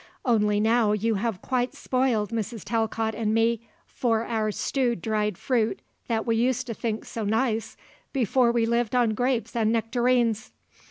Only now you have quite spoiled Mrs. Talcott and me for our stewed dried fruit that we used to think so nice before we lived on grapes and nectarines.